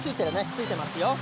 ついてますよ。